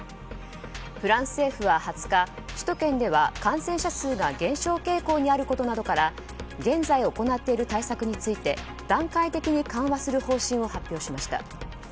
フランス政府は２０日首都圏では感染者数が減少傾向にあることなどから現在、行っている対策について段階的に緩和する方針を発表しました。